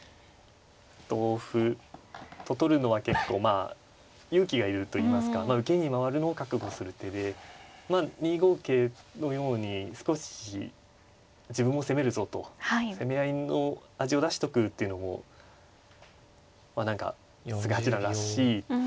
同歩と取るのは結構まあ勇気が要るといいますか受けに回るのを覚悟する手でまあ２五桂のように少し自分も攻めるぞと攻め合いの味を出しとくというのもまあ何か菅井八段らしいのかなと。